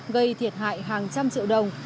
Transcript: gây thiệt hại hàng trăm triệu đồng